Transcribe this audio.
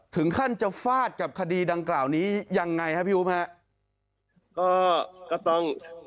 ถึงขั้นจะฟาดกับคดีดังกล่าวนี้ยังไงฮะพี่อุ๊บฮะก็ก็ต้อง